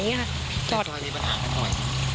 พี่ยันทรวจมีปัญหากันน้อย